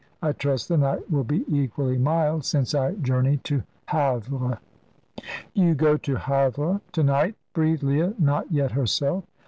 I trust the night will be equally mild, since I journey to Havre." "You go to Havre to night?" breathed Leah, not yet herself.